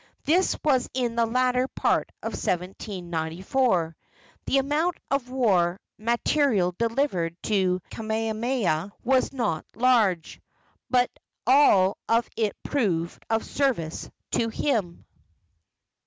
This was in the latter part of 1794. The amount of war material delivered to Kamehameha was not large, but all of it proved of service to him.